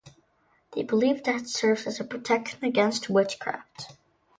They believe that it serves as a protection against witchcraft.